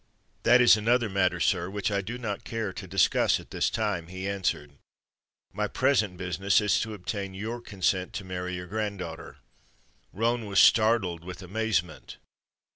"That is another matter, sir, which I do not care to discuss at this time," he answered. "My present business is to obtain your consent to marry your granddaughter." Roane was startled with amazement.